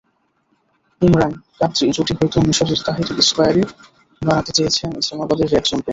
ইমরান-কাদরি জুটি হয়তো মিসরের তাহরির স্কয়ারই বানাতে চেয়েছেন ইসলামাবাদের রেড জোনকে।